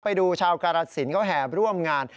ไปดูชาวการัฐสินทร์ก็แหบร่วมงาน